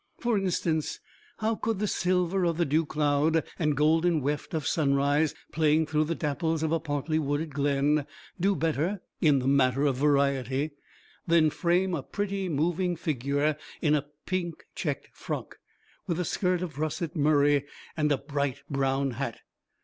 For instance, how could the silver of the dew cloud, and golden weft of sunrise, playing through the dapples of a partly wooded glen, do better (in the matter of variety) than frame a pretty moving figure in a pink checked frock, with a skirt of russet murrey, and a bright brown hat?